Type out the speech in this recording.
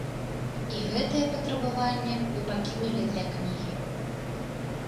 І гэтае патрабаванне мы пакінулі для кнігі.